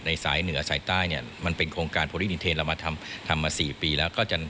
ในสายเหนือสายใต้เนี่ยมันเป็นโครงการเรามาทำทำมาสี่ปีแล้วก็จะมี